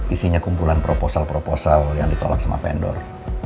isinya kumpulan proposal proposal yang ditolak sama vendor